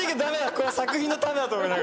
これは作品のためだと思って。